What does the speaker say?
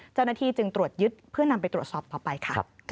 เจ้าหน้าที่จึงตรวจยึดเพื่อนำไปตรวจสอบต่อไปค่ะ